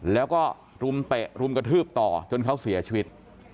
แล้วก็รุมเตะรุมกระทืบต่อจนเขาเสียชีวิต